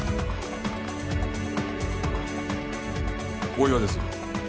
大岩です。